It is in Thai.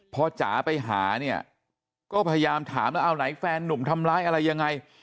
พอจ๋าไปหาเนี่ยก็พยายามถามแล้วเอาไหนแฟนนุ่มทำร้ายอะไรยังไง